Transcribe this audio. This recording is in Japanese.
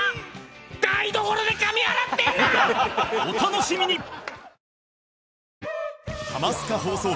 お楽しみに